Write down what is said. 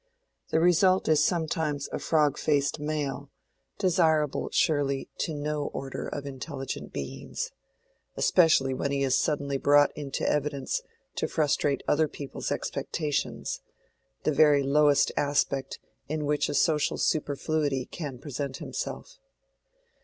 The result is sometimes a frog faced male, desirable, surely, to no order of intelligent beings. Especially when he is suddenly brought into evidence to frustrate other people's expectations—the very lowest aspect in which a social superfluity can present himself.